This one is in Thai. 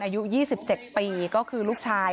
อายุ๒๗ปีก็คือลูกชาย